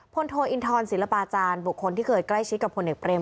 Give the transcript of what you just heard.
โทอินทรศิลปาจารย์บุคคลที่เคยใกล้ชิดกับพลเอกเบรม